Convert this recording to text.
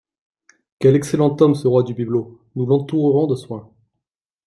Quel excellent homme, ce roi du bibelot ! Nous l'entourerons de soins.